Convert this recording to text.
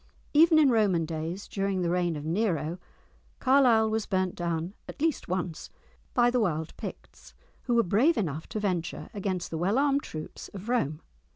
Even in Roman days, during the reign of Nero, Carlisle was burnt down at least once by the wild Picts, who were brave enough to venture against the well armed troops of Rome.